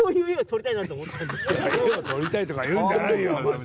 「画を撮りたい」とか言うんじゃないよ。